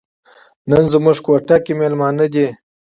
نن زموږ کوټه کې میلمانه دي.